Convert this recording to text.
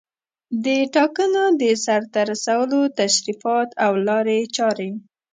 د ټاکنو د سرته رسولو تشریفات او لارې چارې